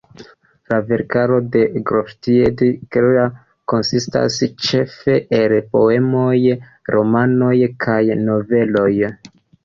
La verkaro de Gottfried Keller konsistas ĉefe el poemoj, romanoj kaj noveloj.